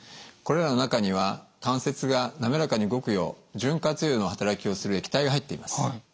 これらの中には関節が滑らかに動くよう潤滑油の働きをする液体が入っています。